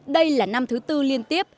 đây là năm thứ tư liên tiếp